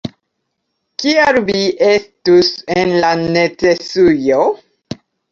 Kial vi estus en la necesujo?